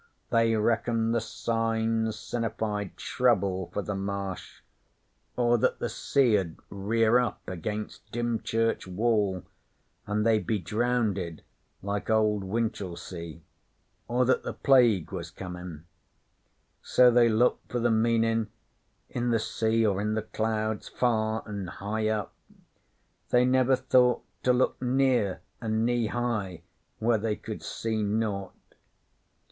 They reckoned the signs sinnified trouble for the Marsh. Or that the sea 'ud rear up against Dymchurch Wall an' they'd be drownded like Old Winchelsea; or that the Plague was comin'. So they looked for the meanin' in the sea or in the clouds far an' high up. They never thought to look near an' knee high, where they could see naught.